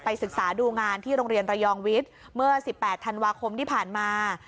ศึกษาดูงานที่โรงเรียนระยองวิทย์เมื่อ๑๘ธันวาคมที่ผ่านมา